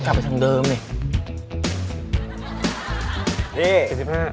กลับไปทางเดิมนี่